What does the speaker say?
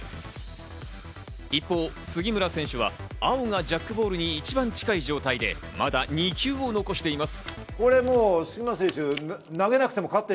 一方、杉村選手は青がジャックボールに一番近い状態でまだ２球を残しています。